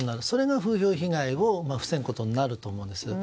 それが風評被害を防ぐことになると思うんです。